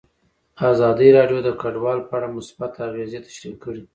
ازادي راډیو د کډوال په اړه مثبت اغېزې تشریح کړي.